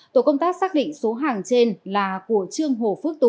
tổ công tác xác định số hàng trên là của trương hồ phước tú